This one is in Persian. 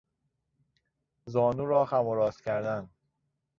زانو را خم و راست کردن